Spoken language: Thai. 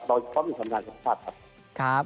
เราจะพร้อมทำงานกับชาติครับ